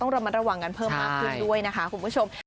ระมัดระวังกันเพิ่มมากขึ้นด้วยนะคะคุณผู้ชม